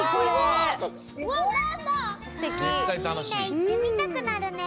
いってみたくなるね。